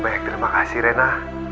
banyak terima kasih rena